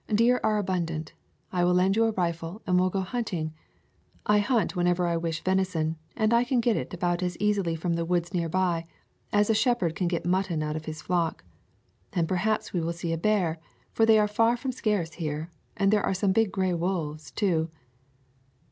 Deer are abundant. I will lend you a rifle and we'll go hunting. I hunt whenever I wish venison, and I can get it about as easily from the woods near by as a shepherd can get mutton out of his flock. And perhaps we will see a bear, for they are far from scarce here, and there are some big gray wolves, too."